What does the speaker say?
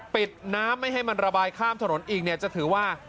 ปิดน้ำไม่ให้มันระบายข้ามถนนอีกเนี่ยจะถือว่า